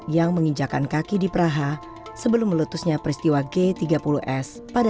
yang menginjakan kaki di praha sebelum meletusnya peristiwa g tiga puluh s pada seribu sembilan ratus enam puluh lima